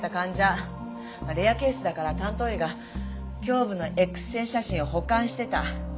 レアケースだから担当医が胸部のＸ線写真を保管してた。